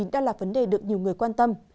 đã là vấn đề được nhiều người quan tâm